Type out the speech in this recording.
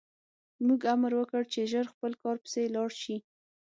موږ امر وکړ چې ژر خپل کار پسې لاړ شي